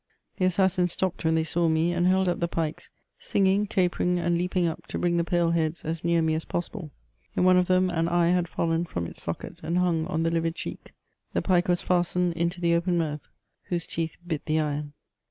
The assassins stopped when they saw me, and held up the pikes, singing, capering, and leaping up to bring the pale heads as near me as possible ; m one of them an eye had fallen from its socket, and hung on the livid cheek ; the pilce was fastened into the open mouth, whose teeth bit the iron.